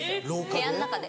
部屋の中で。